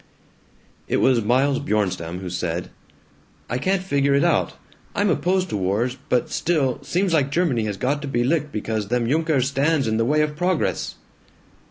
It was Miles Bjornstam who said, "I can't figure it out. I'm opposed to wars, but still, seems like Germany has got to be licked because them Junkers stands in the way of progress."